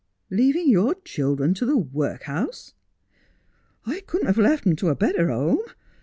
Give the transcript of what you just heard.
' Leaving your children to the workhouse ?' 'I couldn't have left 'em to a better home.